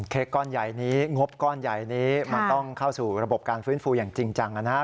ก้อนใหญ่นี้งบก้อนใหญ่นี้มันต้องเข้าสู่ระบบการฟื้นฟูอย่างจริงจังนะครับ